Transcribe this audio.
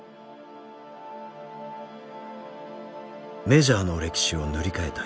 メジャーの歴史を塗り替えた